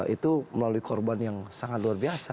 itu melalui korban yang sangat luar biasa